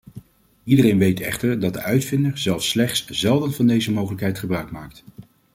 Iedereen weet echter dat de uitvinder zelf slechts zelden van deze mogelijkheid gebruikmaakt.